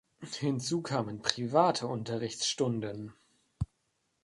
Hinzu kamen private Unterrichtsstunden.